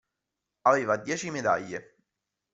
Aveva dieci medaglie.